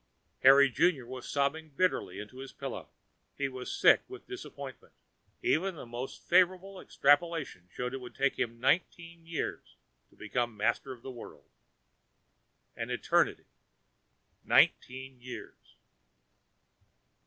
Harry Junior was sobbing bitterly into his pillow. He was sick with disappointment. Even the most favorable extrapolation showed it would take him nineteen years to become master of the world. An eternity. Nineteen years!